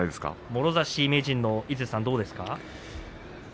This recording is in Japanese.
もろ差し名人の井筒さんどうですか？